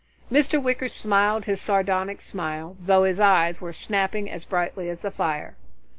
Mr. Wicker smiled his sardonic smile, though his eyes were snapping as brightly as the fire.